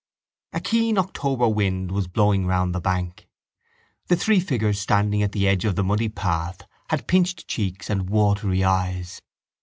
A keen October wind was blowing round the bank. The three figures standing at the edge of the muddy path had pinched cheeks and watery eyes.